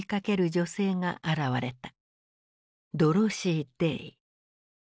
ドロシー・デイ。